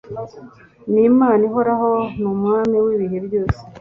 ni Imana ihoraho ni Umwami wibihe byose